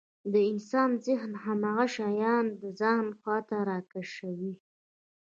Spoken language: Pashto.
د انسان ذهن هماغه شيان د ځان خواته راکشوي.